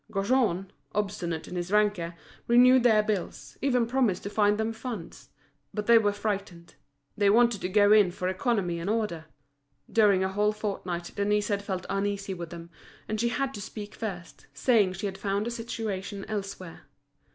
Gaujean, obstinate in his rancour, renewed their bills, even promised to find them funds; but they were frightened, they wanted to go in for economy and order. During a whole fortnight Denise had felt uneasy with them, and she had to speak first, saying she had found a situation elsewhere.